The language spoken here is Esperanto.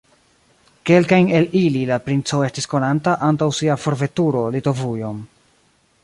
Kelkajn el ili la princo estis konanta antaŭ sia forveturo Litovujon.